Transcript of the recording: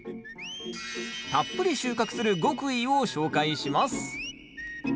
たっぷり収穫する極意を紹介します